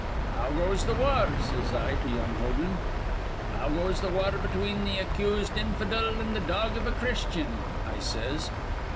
'How goes th' war?' says I to young Hogan, 'How goes the war between th' ac cursed infidel an' th' dog iv a Christian?' I says.